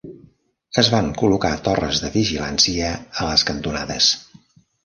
Es van col·locar torres de vigilància a les cantonades.